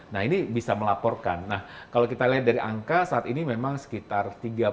nah ini bisa melaporkan kalau kita lihat dari angka saat ini memang sekitar tiga puluh tujuh enam ratus